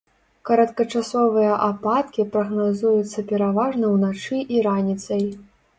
Кароткачасовыя ападкі прагназуюцца пераважна ўначы і раніцай.